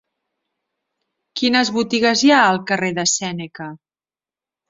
Quines botigues hi ha al carrer de Sèneca?